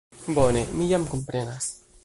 Bone, mi jam komprenas.